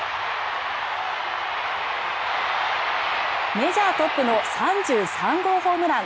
メジャートップの３３号ホームラン。